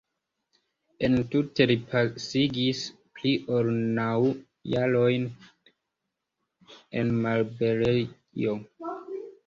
Entute li pasigis pli ol naŭ jarojn en malliberejo.